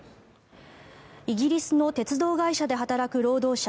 イギリスの鉄道会社で働く労働者